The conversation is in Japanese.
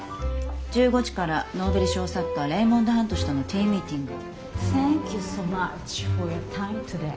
１５時からノーベル賞作家レイモンド・ハント氏とのティー・ミーティング。